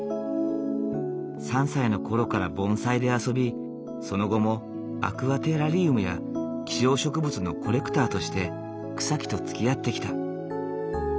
３歳の頃から盆栽で遊びその後もアクアテラリウムや希少植物のコレクターとして草木とつきあってきた。